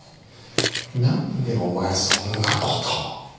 なんでお前そんな事を。